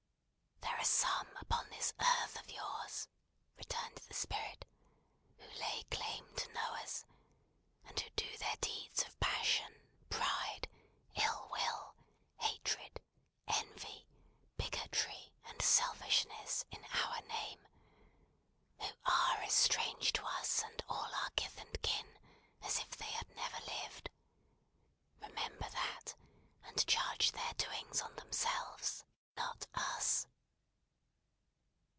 "There are some upon this earth of yours," returned the Spirit, "who lay claim to know us, and who do their deeds of passion, pride, ill will, hatred, envy, bigotry, and selfishness in our name, who are as strange to us and all our kith and kin, as if they had never lived. Remember that, and charge their doings on themselves, not us."